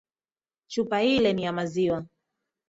Chupa ile ni ya maziwa.